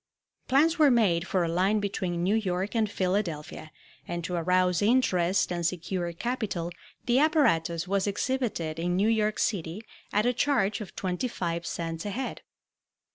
Plans were made for a line between New York and Philadelphia, and to arouse interest and secure capital the apparatus was exhibited in New York City at a charge of twenty five cents a head.